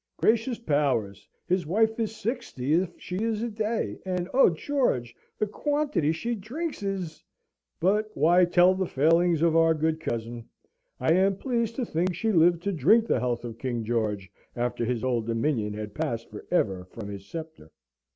Gracious powers! his wife is sixty if she is a day; and oh, George! the quantity she drinks is..." But why tell the failings of our good cousin? I am pleased to think she lived to drink the health of King George long after his Old Dominion had passed for ever from his sceptre.